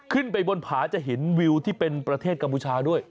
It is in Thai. ขึ้นไปบนผาจะเห็นวิวที่เป็นประเทศกัมพูชาด้วย